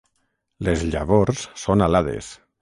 Les llavors són alades.